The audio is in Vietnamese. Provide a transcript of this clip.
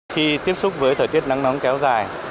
khi tiếp xúc với thời tiết nắng nóng kéo dài